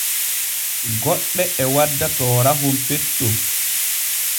Goɗɗe e wadda toorahon petton.